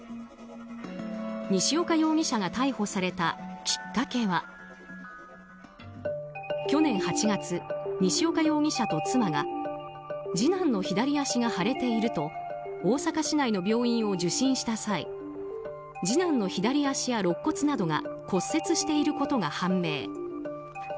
西岡容疑者が逮捕されたきっかけは去年８月、西岡容疑者と妻が次男の左足が腫れていると大阪市内の病院を受診した際次男の左足や肋骨などが骨折していることが判明。